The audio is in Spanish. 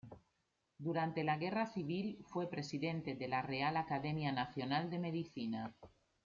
Durante la guerra civil, fue presidente de la Real Academia Nacional de Medicina.